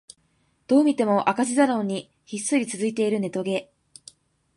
どう見ても赤字だろうにひっそり続いているネトゲ